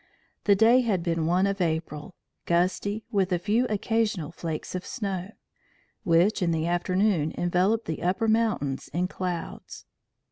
The day had been one of April; gusty, with a few occasional flakes of snow; which, in the afternoon enveloped the upper mountains in clouds.